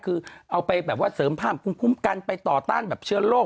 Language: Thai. คือเอาไปแบบว่าเสริมภาพคุ้มกันไปต่อต้านแบบเชื้อโรค